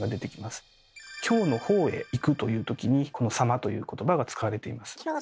「京のほうへ行く」というときにこの「様」ということばが使われています。